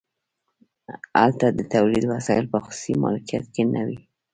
هلته د تولید وسایل په خصوصي مالکیت کې نه وي